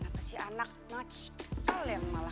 kenapa si anak notchkal yang malah